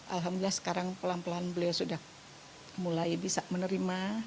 alhamdulillah sekarang pelan pelan beliau sudah mulai bisa menerima